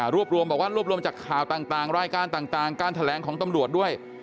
รวมบอกว่ารวบรวมจากข่าวต่างรายการต่างการแถลงของตำรวจด้วย